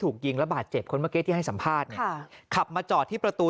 ถูกยิงแล้วบาดเจ็บคนเมื่อที่ให้สัมภาษณ์ขับมาจอดที่ประตู